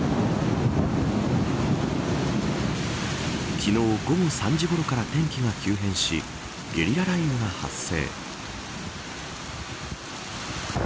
昨日午後３時ごろから天気が急変しゲリラ雷雨が発生。